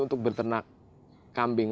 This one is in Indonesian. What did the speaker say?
untuk berternak kambing